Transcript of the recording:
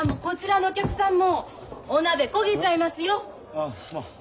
あすまん。